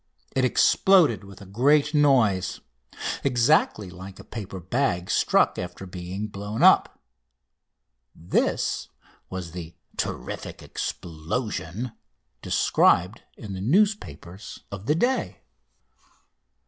It exploded with a great noise exactly like a paper bag struck after being blown up. This was the "terrific explosion" described in the newspapers of the day.